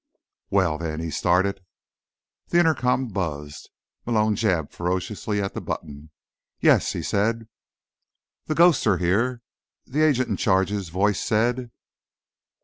"Well, then—" he started. The intercom buzzed. Malone jabbed ferociously at the button. "Yes?" he said. "The ghosts are here," the agent in charge's voice said.